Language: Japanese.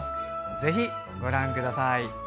ぜひご覧ください。